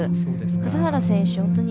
笠原選手